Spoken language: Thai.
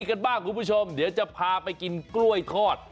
กันบ้างคุณผู้ชมเดี๋ยวจะพาไปกินกล้วยทอด